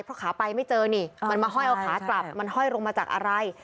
เพราะขาไปไม่เจอนี่มันมาห้อยเอาขากลับมันห้อยลงมาจากอะไร